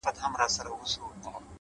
هوښیار انسان د خبرو وزن پېژني,